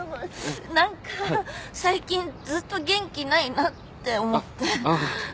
なんか最近ずっと元気ないなって思って。